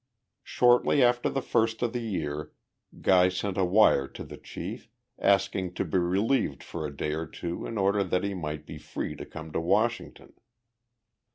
Shortly after the first of the year, Guy sent a wire to the chief, asking to be relieved for a day or two in order that he might be free to come to Washington.